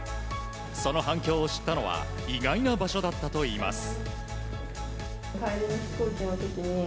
その反響を知ったのは意外な場所だったといいます。